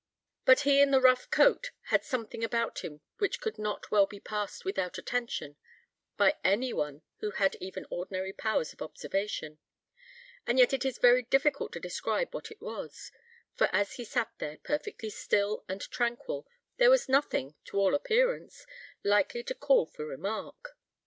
But he in the rough coat had something about him which could not well be passed without attention by any one who had even ordinary powers of observation; and yet it is very difficult to describe what it was, for as he sat there perfectly still and tranquil, there was nothing, to all appearance, likely to call for remark.